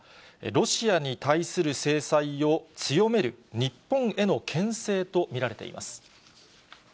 ロシアに対する制裁を強める日本へのけん制と見られています。